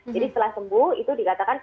jadi setelah sembuh itu digatakan